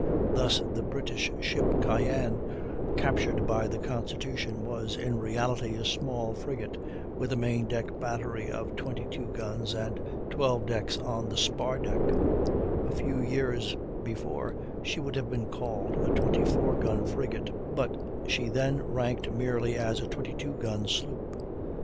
Thus the British ship Cyane, captured by the Constitution, was in reality a small frigate, with a main deck battery of 22 guns, and 12 guns on the spar deck; a few years before she would have been called a 24 gun frigate, but she then ranked merely as a 22 gun sloop.